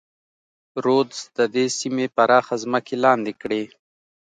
رودز د دې سیمې پراخه ځمکې لاندې کړې.